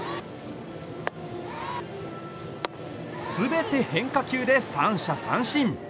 全て変化球で三者三振。